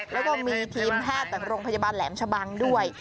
แล้วก็มีทีมแพทย์จากโรงพยาบาลแหลมชะบังด้วย